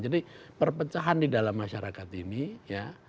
jadi perpecahan di dalam masyarakat ini ya